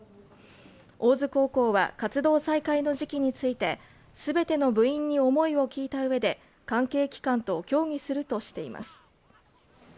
大津高校は活動再開の時期について、全ての部員に思いを聞いた上で、関係機関と協議するとしています。